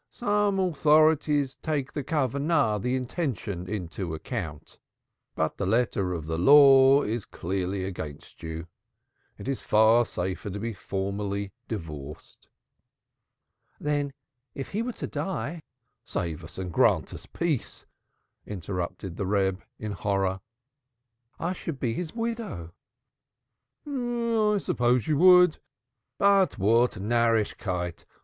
Some authorities do take the intention into account, but the letter of the law is clearly against you. It is far safer to be formally divorced." "Then if he were to die " "Save us and grant us peace," interrupted the Reb in horror. "I should be his widow." "Yes, I suppose you would. But what Narrischkeit!